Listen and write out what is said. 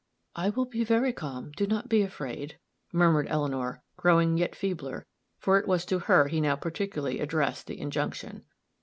"I will be very calm; do not be afraid," murmured Eleanor, growing yet feebler, for it was to her he now particularly addressed the injunction.